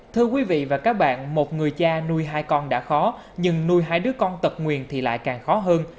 thưa quý vị và các bạn một người cha nuôi hai con đã khó nhưng nuôi hai đứa con tật nguyền thì lại càng khó hơn